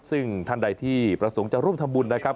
ซึ่งท่านใดที่ประสงค์จะร่วมทำบุญนะครับ